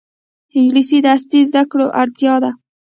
انګلیسي د عصري زده کړو اړتیا ده